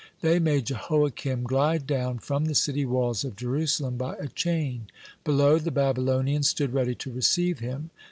They made Jehoiakim glide down from the city walls of Jerusalem by a chain. Below, the Babylonians stood ready to receive him.